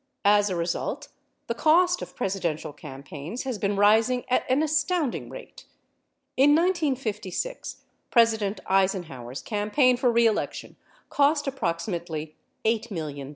As a result, the cost of Presidential campaigns has been rising at an astounding rate. In 1956 President Eisenhower's campaign for re election cost approximately $8 million.